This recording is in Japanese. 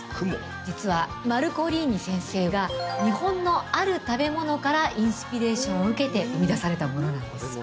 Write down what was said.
実はマルコリーニ先生が日本のある食べ物からインスピレーションを受けて生み出されたものなんです。